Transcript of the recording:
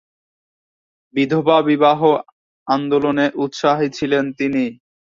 বিধবা বিবাহ আন্দোলনে উৎসাহী ছিলেন তিনি।